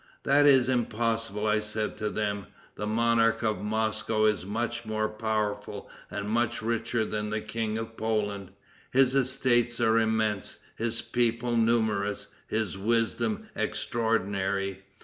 'That is impossible,' I said to them. 'The monarch of Moscow is much more powerful and much richer than the King of Poland. His estates are immense, his people numerous, his wisdom extraordinary.'